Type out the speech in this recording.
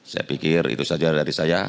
saya pikir itu saja dari saya